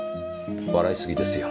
笑いすぎですよ。